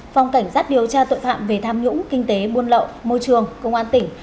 phòng cảnh sát điều tra tội phạm về tham nhũng kinh tế buôn lậu môi trường công an tỉnh